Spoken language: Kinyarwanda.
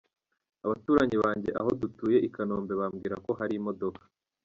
Abaturanyi banjye aho dutuye i Kanombe bambwiraga ko hari imodoka.